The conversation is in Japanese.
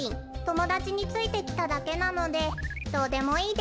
ともだちについてきただけなのでどうでもいいです。